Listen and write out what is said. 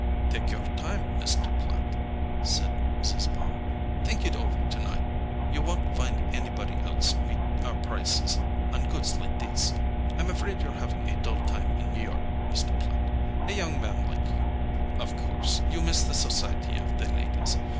"Take your time, Mr. Platt," said Zizzbaum. "Think it over to night. You won't find anybody else meet our prices on goods like these. I'm afraid you're having a dull time in New York, Mr. Platt. A young man like you—of course, you miss the society of the ladies.